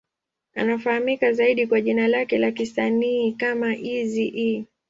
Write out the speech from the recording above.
Anafahamika zaidi kwa jina lake la kisanii kama Eazy-E.